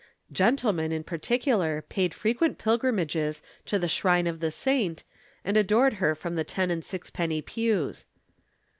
Gentlemen in particular paid frequent pilgrimages to the shrine of the saint, and adored her from the ten and sixpenny pews.